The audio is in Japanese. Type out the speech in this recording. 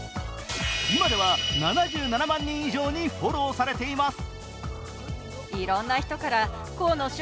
今では７７万人以上にフォローされています。